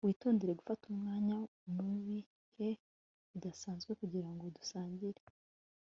witondere gufata umwanya mubihe bidasanzwe kugirango dusangire